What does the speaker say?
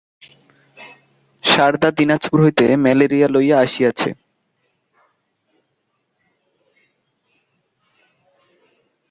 সারদা দিনাজপুর হইতে ম্যালেরিয়া লইয়া আসিয়াছে।